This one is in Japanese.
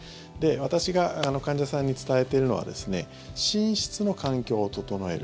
私が患者さんに伝えているのは寝室の環境を整える。